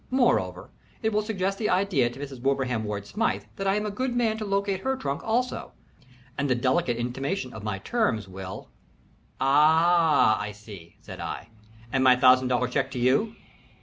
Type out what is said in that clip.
Moreover, it will suggest the idea to Mrs. Wilbraham Ward Smythe that I am a good man to locate her trunk also, and the delicate intimation of my terms will " "Aha! I see," said I. "And my thousand dollar check to you?"